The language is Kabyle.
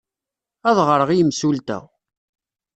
Ad ɣreɣ i yimsulta.